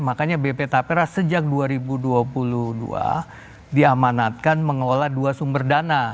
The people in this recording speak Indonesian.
makanya bp tapera sejak dua ribu dua puluh dua diamanatkan mengelola dua sumber dana